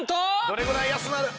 どれぐらい安なる？